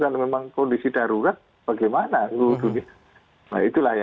karena memang kondisi darurat bagaimana